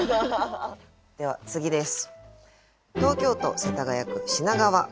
では次です。